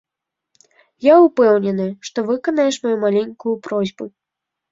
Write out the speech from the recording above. Я ўпэўнены, што выканаеш маю маленькую просьбу.